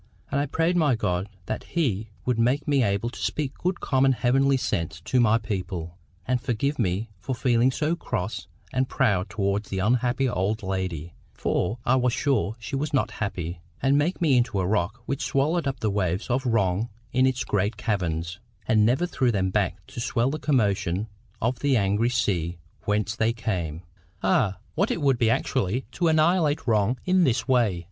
And I prayed my God that He would make me able to speak good common heavenly sense to my people, and forgive me for feeling so cross and proud towards the unhappy old lady—for I was sure she was not happy—and make me into a rock which swallowed up the waves of wrong in its great caverns, and never threw them back to swell the commotion of the angry sea whence they came. Ah, what it would be actually to annihilate wrong in this way!